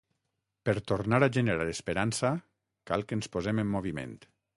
Per tornar a generar esperança cal que ens posem en moviment.